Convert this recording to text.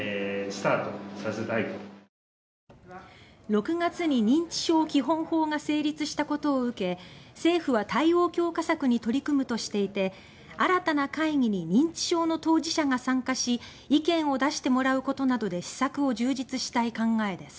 ６月に認知症基本法が成立したことを受け政府は対応強化策に取り組むとしていて新たな会議に認知症の当事者が参加し意見を出してもらうことなどで施策を充実したい考えです。